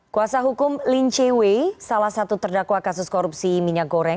kuasa hukum lin che wei salah satu terdakwa kasus korupsi minyak goreng